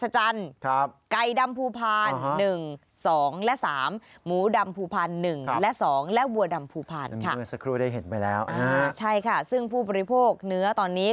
จำภูมิผ่านค่ะใช่ค่ะซึ่งผู้บริโภคเนื้อตอนนี้